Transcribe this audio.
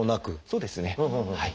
そうですねはい。